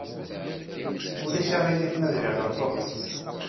Ulac aɣilif ma dliɣ ɣef uɣmis?